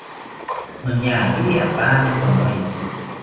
Noñakiri apaani konoya